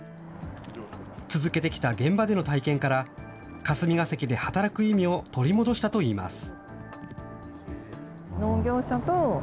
続けてきた現場での体験から、霞が関で働く意味を取り戻したといいます。